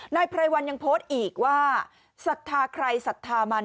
นายพรายวันยังโพสต์อีกว่าสัทธาใครสัทธามัน